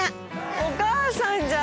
お母さんじゃん！